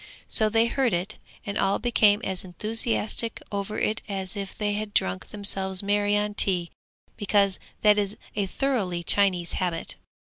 So they heard it, and all became as enthusiastic over it as if they had drunk themselves merry on tea, because that is a thoroughly Chinese habit.